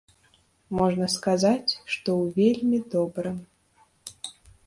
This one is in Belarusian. Можна сказаць, што ў вельмі добрым.